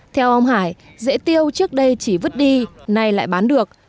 theo ông hải rễ tiêu trước đây chỉ vứt đi nay lại bán được